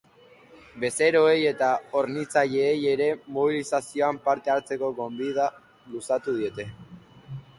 Bezeroei eta hornitzaileei ere mobilizazioan parte hartzeko gonbita luzatu diete.